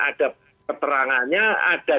ada keterangannya ada